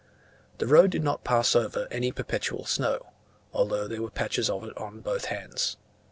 The road did not pass over any perpetual snow, although there were patches of it on both hands.